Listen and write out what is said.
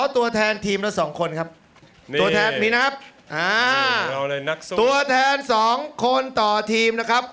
ตัวแทนสองคนต่อทีมนะครับ